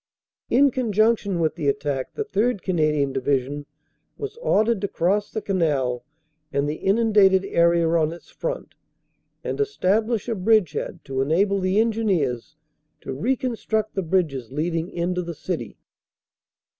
"In conjunction with the attack the 3rd. Canadian Divi sion was ordered to cross the Canal and the inundated area on its front, and establish a bridgehead to enable the Engineers to reconstruct the bridges leading into the city.